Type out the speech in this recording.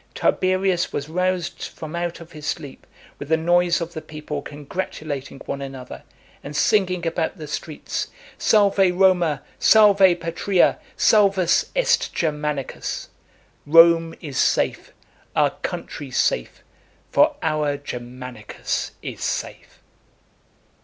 Tiberius was roused from out of his sleep with the noise of the people congratulating one another, and singing about the streets, Salva Roma, salva patria, salvus est Germanicus. Rome is safe, our country safe, for our Germanicus is safe.